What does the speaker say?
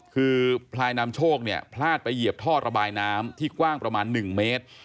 คือพลายนำโชคเนี่ยพลาดไปเหยียบท่อระบายน้ำที่กว้างประมาณ๑เมตร